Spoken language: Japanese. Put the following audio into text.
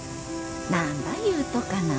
なんば言うとかな。